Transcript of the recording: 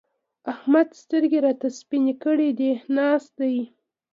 احمد سترګې راته سپينې کړې دي؛ ناست دی.